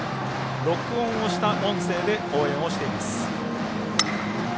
録音をした音声で応援をしています。